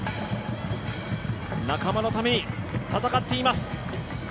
仲間のために戦っています。